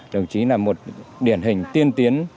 đồng chí là một điển hình tiên tiến